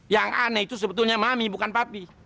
yang aneh itu sebetulnya mami bukan pati